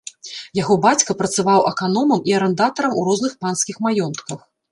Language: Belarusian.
Яго бацька працаваў аканомам і арандатарам у розных панскіх маёнтках.